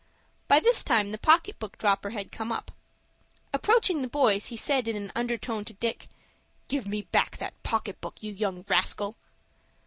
By this time the pocket book dropper had come up. Approaching the boys, he said in an undertone to Dick, "Give me back that pocket book, you young rascal!"